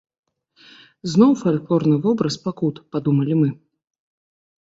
Зноў фальклорны вобраз пакут, падумалі мы.